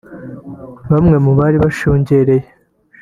Bamwe mu bari bashungereye